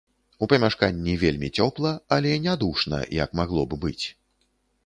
У памяшканні вельмі цёпла, але не душна, як магло б быць.